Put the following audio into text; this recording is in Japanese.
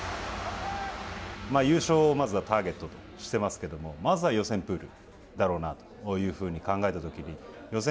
優勝をまずはターゲットとしてますけどまずは予選プールだろうなというふうに考えたときに予選